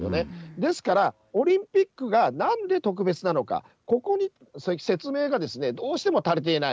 ですから、オリンピックがなんで特別なのか、ここに説明がどうしても足りていない。